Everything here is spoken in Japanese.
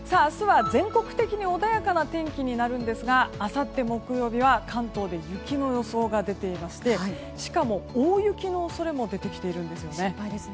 明日は全国的に穏やかな天気になるんですがあさって木曜日は関東で雪の予想が出ていましてしかも、大雪の恐れも出てきているんですね。